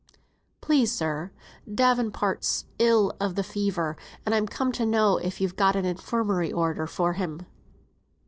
"Please, sir, Davenport's ill of the fever, and I'm come to know if you've got an Infirmary order for him?"